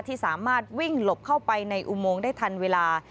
ที่สามารถวิ่งหลบเข้าไปในอุโมงได้ทันเวลา